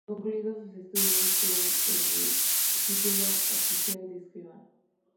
Concluidos sus estudios, obtuvo el título oficial de escribano.